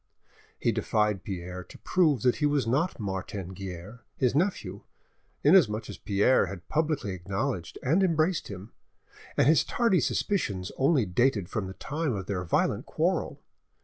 He defied Pierre to prove that he was not Martin Guerre, his nephew, inasmuch as Pierre had publicly acknowledged and embraced him, and his tardy suspicions only dated from the time of their violent quarrel.